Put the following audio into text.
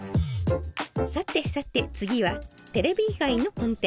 さてさて次はテレビ以外のコンテンツ。